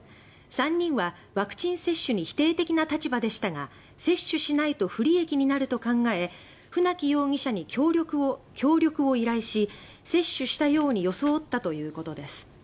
家族はワクチン接種に否定的な立場でしたが接種しないと不利益になると考え船木容疑者に協力を依頼し接種したように装ったということです。